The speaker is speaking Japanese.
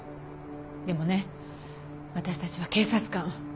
でもね私たちは警察官。